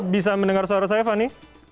bisa mendengar suara saya fani